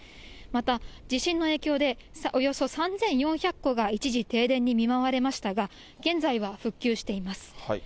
また地震の影響で、およそ３４００戸が一時停電に見舞われましたが、現在は復旧しています。